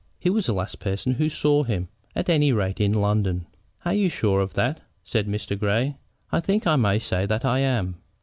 "He was the last person who saw him, at any rate, in London." "Are you sure of that?" said Mr. Grey. "I think I may say that I am.